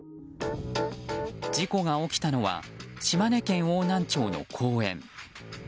事故が起きたのは島根県邑南町の公園。